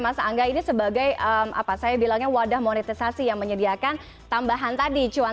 mas angga ini sebagai apa saya bilangnya wadah monetisasi yang menyediakan tambahan tadi cuan